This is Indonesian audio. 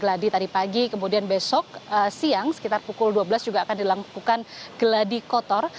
ya saya sebut ada gladi tadi pagi kemudian besok siang sekitar pukul dua belas juga akan dilakukan gladi kotor